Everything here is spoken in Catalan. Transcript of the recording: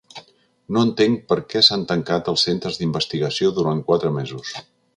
No entenc per què s’han tancat els centres d’investigació durant quatre mesos.